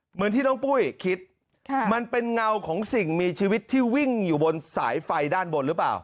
เหมือนที่น้องปุ้ยคิดมันเป็นเงาของสิ่งมีชีวิตที่วิ่งอยู่บนสายไฟด้านบนหรือเปล่า